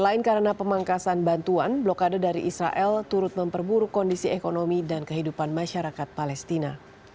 selain karena pemangkasan bantuan blokade dari israel turut memperburuk kondisi ekonomi dan kehidupan masyarakat palestina